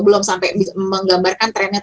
belum sampai menggambarkan trennya